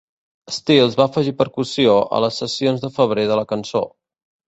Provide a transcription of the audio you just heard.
Stills va afegir percussió a les sessions de febrer de la cançó.